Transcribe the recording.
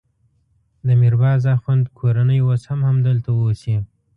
د میر بازار اخوند کورنۍ اوس هم همدلته اوسي.